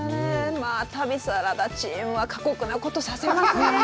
「旅サラダ」チームは過酷なことさせますね。